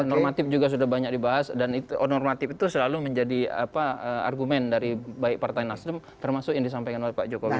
normatif juga sudah banyak dibahas dan normatif itu selalu menjadi argumen dari baik partai nasdem termasuk yang disampaikan oleh pak jokowi